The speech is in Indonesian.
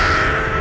bunuh set elangnya